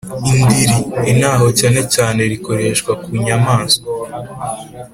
indiri: intaho cyanecyane rikoreshwa ku nyamaswa